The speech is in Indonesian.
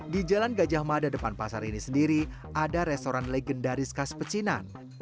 di jalan gajah mada depan pasar ini sendiri ada restoran legendaris khas pecinan